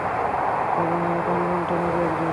প্রাণবন্ত নারী একজন।